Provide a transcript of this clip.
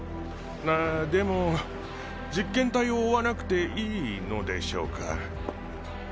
あっでも実験体を追わなくていいのでしょうか？